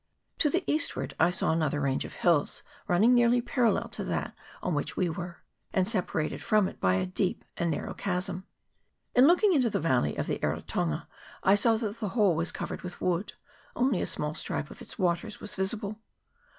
To the eastward I saw another range of hills run ning nearly parallel to that on which we were, and separated from it by a deep and narrow chasm. In looking into the valley of the Eritonga I saw that the whole was covered with wood ; only a small stripe of its waters was visible.